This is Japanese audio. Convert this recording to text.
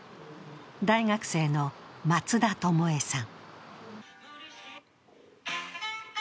大学生の松田朋恵さん。